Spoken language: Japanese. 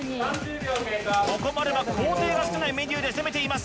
ここまでは工程が少ないメニューで攻めています